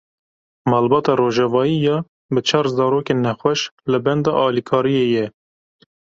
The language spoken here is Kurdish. Malbata Rojavayî ya bi çar zarokên nexweş li benda alîkariyê ye.